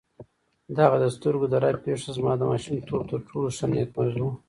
دغه د سترګو د رپ پېښه زما د ماشومتوب تر ټولو ښه نېکمرغي وه.